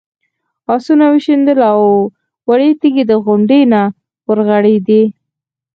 آسونه وشڼېدل او وړې تیږې د غونډۍ نه ورغړېدې.